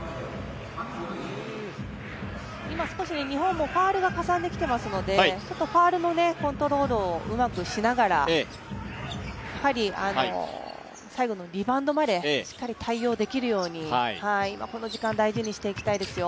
今、少し日本もファウルがかさんできていますので、ファウルのコントロールをうまくしながら最後のリバウンドまでしっかり対応できるように今この時間大事にしていきたいですよ。